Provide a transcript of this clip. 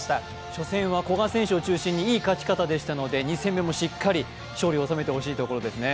初戦は古賀選手を中心にいい勝ち方でしたので２戦目もしっかり勝利を収めてほしいところですね。